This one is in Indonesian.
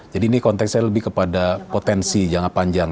jadi ini konteksnya lebih kepada potensi jangka panjang